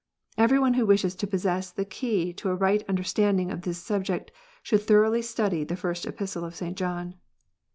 Every one who wishes to possess the key to a right understanding of this subject should thoroughly study the First Epistle of St. John.